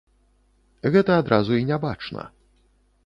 Гэта адразу і не бачна.